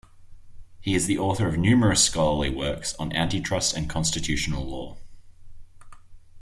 He is the author of numerous scholarly works on antitrust and constitutional law.